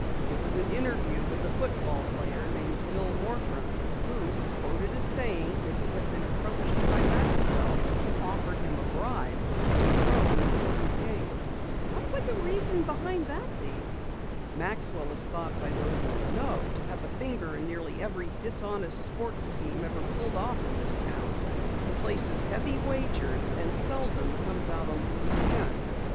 It was an interview with a football player named Bill Morcrum who was quoted as saying that he had been approached by Maxwell who offered him a bribe to throw an important game." "What would be the reason behind that?" "Maxwell is thought by those in the know to have a finger in nearly every dishonest sports scheme ever pulled off in this town. He places heavy wagers, and seldom comes out on the losing end.